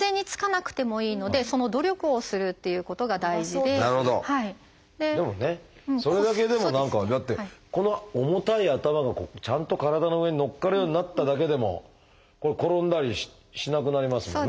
でもねそれだけでも何かだってこの重たい頭がちゃんと体の上にのっかるようになっただけでも転んだりしなくなりますもんね。